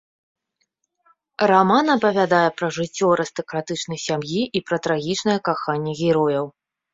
Раман апавядае пра жыццё арыстакратычнай сям'і і пра трагічнае каханне герояў.